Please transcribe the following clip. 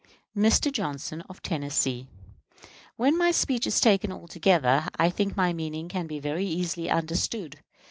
Mr. Johnson, of Tennessee: When my speech is taken altogether, I think my meaning can be very easily understood.